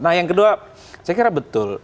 nah yang kedua saya kira betul